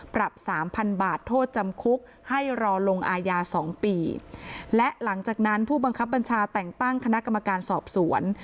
ปรับสามพันบาทโทษจำคุกให้รอลงอาญาสองปีและหลังจากนั้นผู้บังคับบัญชาแต่งตั้งคณะกรรมการสอบสวน